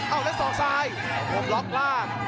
เอาแล้วสอกซ้ายวงล็อกล่าง